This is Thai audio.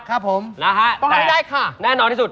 ครับผมนะฮะต้องทำให้ได้ค่ะแน่นอนที่สุด